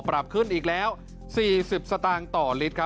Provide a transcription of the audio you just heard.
ปรับขึ้นอีกแล้ว๔๐สตางค์ต่อลิตร